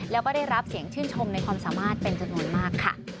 แล้วก็ได้รับเสียงชื่นชมในความสามารถเป็นจำนวนมากค่ะ